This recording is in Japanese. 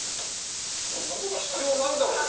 そんな事必要ないだろう。